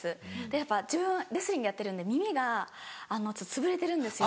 やっぱ自分レスリングやってるんで耳がつぶれてるんですよ。